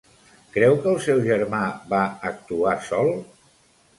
Creu que el seu germà va actuar sol?